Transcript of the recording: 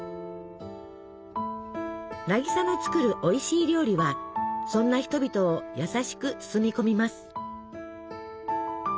渚の作るおいしい料理はそんな人々を優しく包み込みます。